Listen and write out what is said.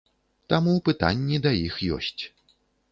Таму пытанні да іх ёсць.